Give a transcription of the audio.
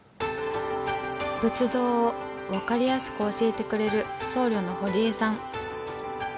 仏道を分かりやすく教えてくれる僧侶の堀江さん。